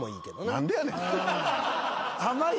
何でやねん！？